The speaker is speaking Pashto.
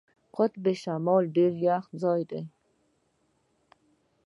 قطب شمال ډېر یخ ځای دی.